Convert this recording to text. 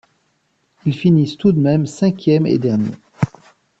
Ils finissent tout de même cinquième et derniers.